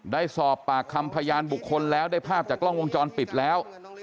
ได้สอบปากคำพยานบุคคลแล้วได้ภาพจากกล้องวงจรปิดแล้ว